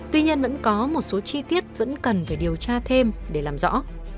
tuy nhiên vẫn có một số chi tiết vẫn cần phải điều tra thêm để làm rõ